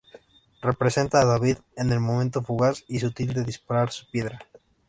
Representa a David en el momento fugaz y sutil de disparar su piedra.